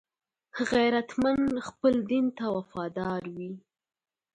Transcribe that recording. غیرتمند خپل دین ته وفادار وي